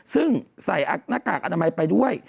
ซึ่งใส่หน้ากากอนามัยไปด้วย